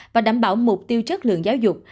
và đảm bảo mục tiêu chất lượng giáo dục